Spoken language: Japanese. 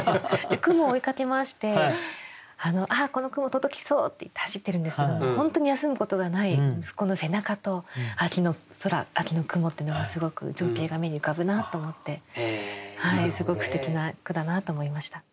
で雲を追いかけ回して「あっこの雲届きそう！」って言って走ってるんですけども本当に休むことがない息子の背中と秋の空秋の雲っていうのがすごく情景が目に浮かぶなと思ってすごくすてきな句だなと思いました。